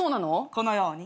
このように。